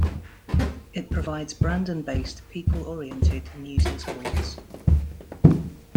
It provides Brandon-based, people-oriented news and sports.